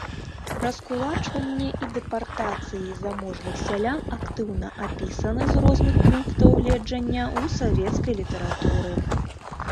Раскулачванне і дэпартацыі заможных сялян актыўна апісаны з розных пунктаў гледжання ў савецкай літаратуры.